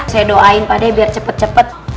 saya doain pak de biar cepet cepet